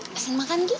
masuk makan ghi